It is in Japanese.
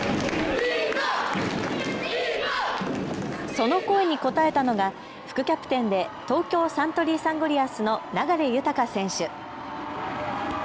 その声に応えたのが副キャプテンで東京サントリーサンゴリアスの流大選手。